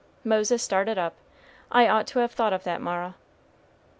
Moses started up. "I ought to have thought of that, Mara."